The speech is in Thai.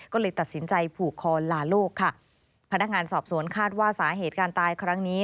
ก็เลยตัดสินใจผูกคอลาโลกค่ะพนักงานสอบสวนคาดว่าสาเหตุการตายครั้งนี้